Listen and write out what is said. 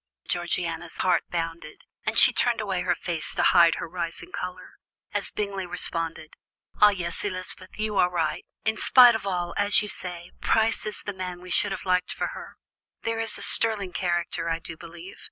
Georgiana's heart bounded, and she turned away her face to hide her rising colour, as Bingley responded: "Ah, yes, Elizabeth, you are right. In spite of all, as you say, Price is the man we should have liked for her. There is a sterling character, I do believe.